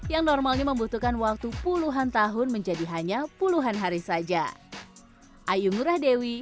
yang normalnya membutuhkan waktu puluhan tahun menjadi hanya puluhan hari saja